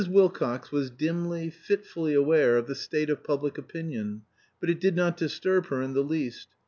Wilcox was dimly, fitfully aware of the state of public opinion; but it did not disturb her in the least.